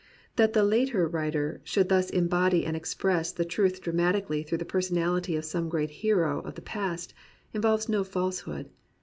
That a later writer should thus embody and express the truth dramatically through the personality of some great hero of the past, involves no falsehood.